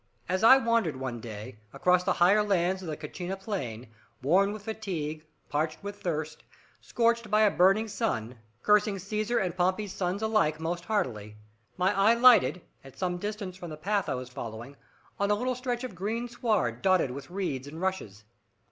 As I wandered, one day, across the higher lands of the Cachena plain, worn with fatigue, parched with thirst, scorched by a burning sun, cursing Caesar and Pompey's sons alike, most heartily, my eye lighted, at some distance from the path I was following, on a little stretch of green sward dotted with reeds and rushes.